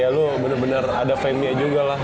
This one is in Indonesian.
lu bener bener ada fame nya juga lah